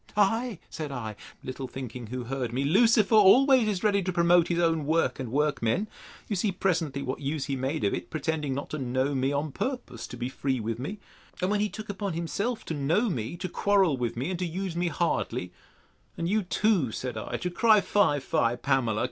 Ay, said I, little thinking who heard me, Lucifer always is ready to promote his own work and workmen. You see presently what use he made of it, pretending not to know me, on purpose to be free with me. And when he took upon himself to know me, to quarrel with me, and use me hardly: And you too, said I, to cry, Fie, fie, Pamela!